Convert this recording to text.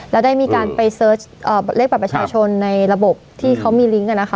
แล้วได้มีการไปเสิร์ชเลขบัตรประชาชนในระบบที่เขามีลิงก์นะคะ